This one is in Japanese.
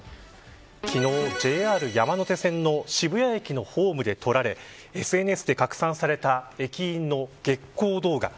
昨日、ＪＲ山手線の渋谷駅のホームで撮られＳＮＳで拡散された駅員の激高動画。